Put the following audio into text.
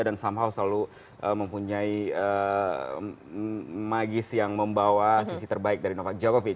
dan somehow selalu mempunyai magis yang membawa sisi terbaik dari novak djokovic